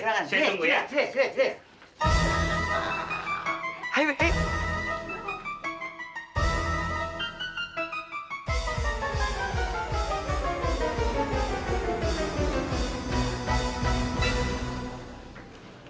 saya tunggu ya